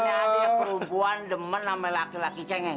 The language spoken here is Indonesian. ini ada yang perempuan demen sama laki laki cengeng